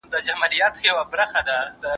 آیا خپله ځمکه تر پردۍ ځمکي ښېرازه ده؟